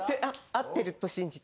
合ってると信じて。